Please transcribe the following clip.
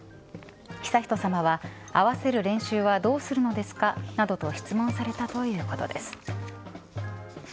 悠仁さまは合わせる練習はどうするのですかなどと質問されたということです。